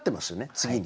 次に。